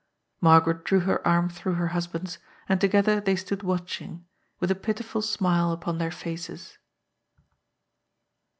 Margaret drew her arm through her husband's, and together they stood watching, with a pitiful smile upon their faces.